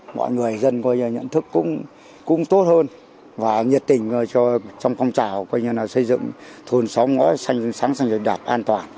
mọi người dân nhận thức cũng tốt hơn và nhiệt tình trong phong trào xây dựng thôn sống sáng sạch đẹp an toàn